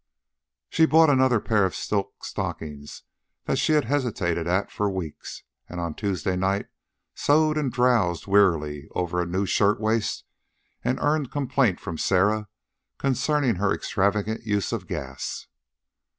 She bought another pair of silk stockings that she had hesitated at for weeks, and on Tuesday night sewed and drowsed wearily over a new shirtwaist and earned complaint from Sarah concerning her extravagant use of gas.